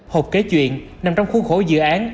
học kế chuyện nằm trong khuôn khổ dự án